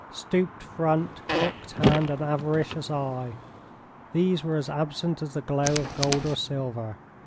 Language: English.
Stooped front, hooked hand and avaricious eye these were as absent as the glow of gold or silver.